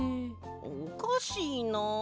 おかしいな。